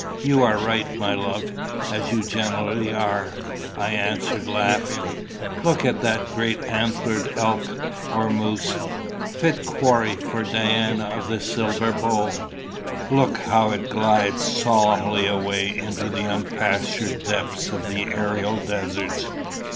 '" "You are right, my love, as you generally are," I answered, laughing. "Look at that great antlered elk, or moose fit quarry for Diana of the silver bow. Look how it glides solemnly away into the unpastured depths of the aerial deserts.